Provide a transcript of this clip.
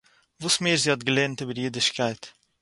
וואָס מער זי האָט געלערנט איבער אידישקייט